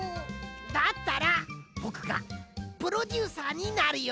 だったらぼくがプロデューサーになるよ！